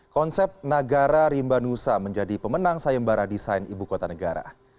konsep nagara rimba nusa menjadi pemenang sayembara desain ibu kota negara